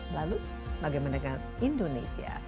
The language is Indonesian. lalu bagaimana dengan indonesia